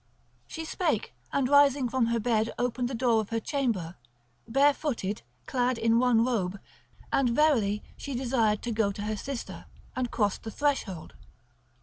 She spake, and rising from her bed opened the door of her chamber, bare footed, clad in one robe; and verily she desired to go to her sister, and crossed the threshold.